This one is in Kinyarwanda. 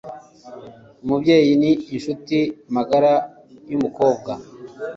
umubyeyi ni inshuti magara y'umukobwa